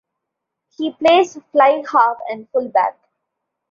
He plays fly-half and fullback.